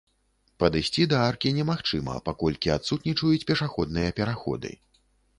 Падысці да аркі немагчыма, паколькі адсутнічаюць пешаходныя пераходы.